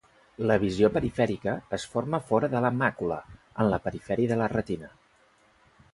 La visió perifèrica es forma fora de la màcula, en la perifèria de la retina.